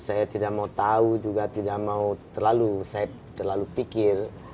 saya tidak mau tahu juga tidak mau terlalu pikir